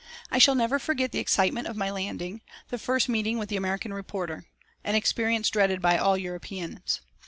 I shall never forget the excitement of my landing, the first meeting with the American "reporter," an experience dreaded by all Europeans.